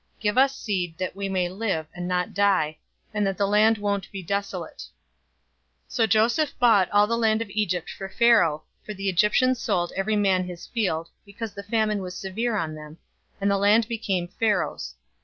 Give us seed, that we may live, and not die, and that the land won't be desolate." 047:020 So Joseph bought all the land of Egypt for Pharaoh, for the Egyptians sold every man his field, because the famine was severe on them, and the land became Pharaoh's.